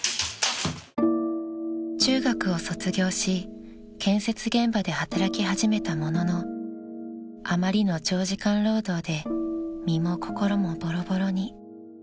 ［中学を卒業し建設現場で働き始めたもののあまりの長時間労働で身も心もボロボロに］